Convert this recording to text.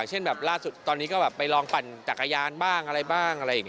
เช่นแบบล่าสุดตอนนี้ก็แบบไปลองปั่นจังงยานบ้างอะไรอย่างเงี้ยครับ